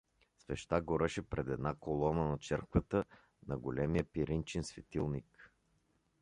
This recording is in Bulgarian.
Свещта гореше пред една колона на черквата, на големия пиринчен светилник.